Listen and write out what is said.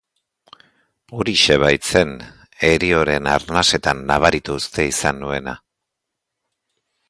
Horixe baitzen herioren arnasetan nabaritu uste izan nuena.